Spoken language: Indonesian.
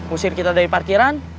usir kita dari parkiran